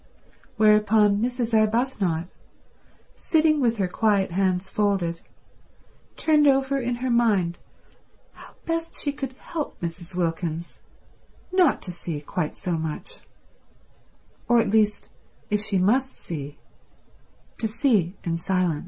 Whereupon Mrs. Arbuthnot, sitting with her quiet hands folded, turned over in her mind how best she could help Mrs. Wilkins not to see quite so much; or at least, if she must see, to see in silence.